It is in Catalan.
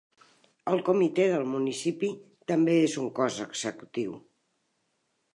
El Comitè del municipi també és un cos executiu.